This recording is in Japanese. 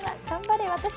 頑張れ私。